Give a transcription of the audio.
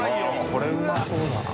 これうまそうだな。